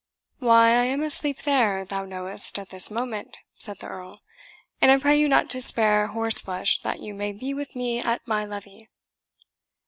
"Why, I am asleep there, thou knowest, at this moment," said the Earl; "and I pray you not to spare horse flesh, that you may be with me at my levee."